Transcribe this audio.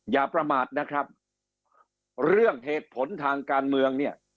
อย่าประมาทนะครับเรื่องเหตุผลทางการเมืองเนี่ย